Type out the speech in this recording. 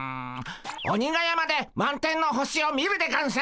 鬼が山で満天の星を見るでゴンス！